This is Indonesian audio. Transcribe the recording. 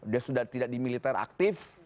dia sudah tidak di militer aktif